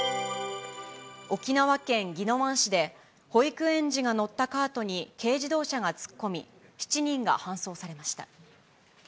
沖縄県宜野湾市で、保育園児が乗ったカートに軽自動車が突っ込み、７人が搬送されました。